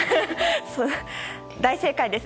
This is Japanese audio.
大正解です。